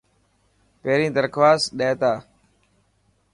پهرين درخواست ڏي تا.